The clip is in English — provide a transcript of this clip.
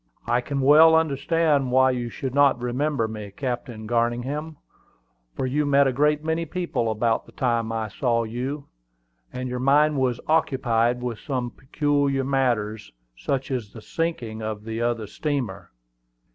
"I can well understand why you should not remember me, Captain Garningham, for you met a great many people about the time I saw you, and your mind was occupied with some peculiar matters, such as the sinking of the other steamer."